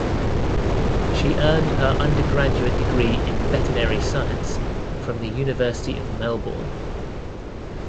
She earned her undergraduate degree in Veterinary Science from the University of Melbourne.